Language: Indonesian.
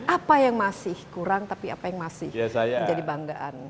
apa yang masih kurang tapi apa yang masih menjadi banggaan